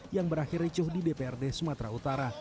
yang berakhir ricuh di dprd sumatera utara